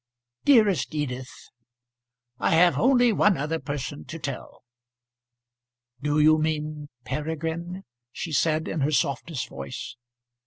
"Dearest Edith. I have only one other person to tell." "Do you mean Peregrine?" she said in her softest voice.